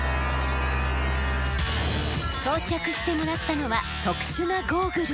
装着してもらったのは特殊なゴーグル。